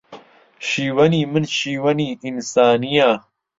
شیوەنی من شیوەنی ئینسانییە